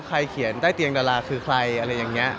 เขียนใต้เตียงดาราคือใครอะไรอย่างนี้